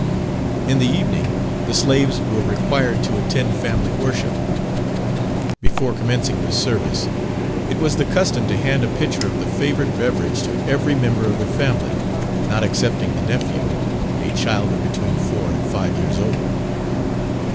In the evening, the slaves were required to attend family worship. Before commencing the service, it was the custom to hand a pitcher of the favourite beverage to every member of the family, not excepting the nephew, a child of between four and five years old.